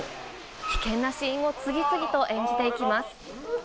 危険なシーンを次々と演じていきます。